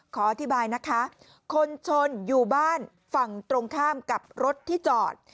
ขออธิบายนะคะคนชนอยู่บ้านฝั่งตรงข้ามกับรถที่จอด